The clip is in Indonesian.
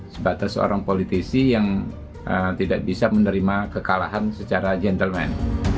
sebatas seorang politisi yang tidak bisa menerima kekalahan secara gentleman